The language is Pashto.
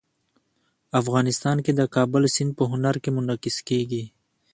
افغانستان کې د کابل سیند په هنر کې منعکس کېږي.